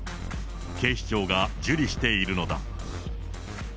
警視庁が受理しているのだ。